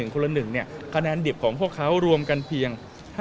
คะแนนดิบของพวกเขารวมกันเพียง๕๔๘๒๐๔